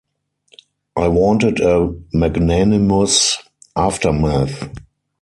I wanted a magnanimous aftermath.